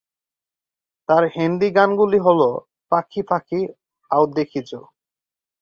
তাঁর হিন্দি গানগুলি হ'ল 'পাখি পাখি', 'আও দেখি জো'।